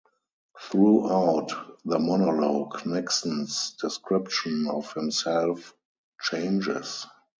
Throughout the monologue, Nixon's description of himself changes.